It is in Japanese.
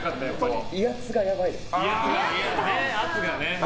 威圧がやばいです。